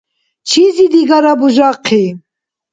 Чизи-дигара бужахъи.